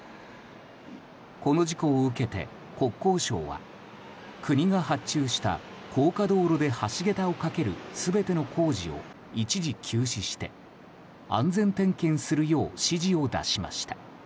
この事故を受けて、国交省は国が発注した高架道路で橋桁を架ける全ての工事を一時休止して安全点検するよう指示を出しました。